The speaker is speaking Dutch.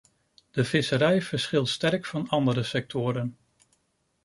De visserij verschilt sterk van andere sectoren.